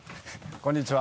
こんにちは。